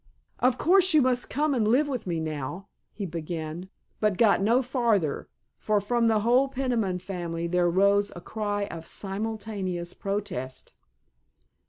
"Of course you must come and live with me now——" he began, but got no farther, for from the whole Peniman family there rose a cry of simultaneous protest.